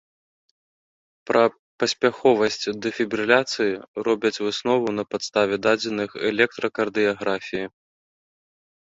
Пра паспяховасць дэфібрыляцыі робяць выснову на падставе дадзеных электракардыяграфіі.